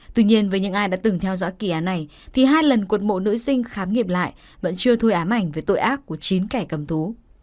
tuy nhiên với những ai đã từng theo dõi kỳ án này thì hai lần cột mộ nữ sinh khám nghiệp lại vẫn chưa thôi ám ảnh về tội ác của chín kẻ cầm thú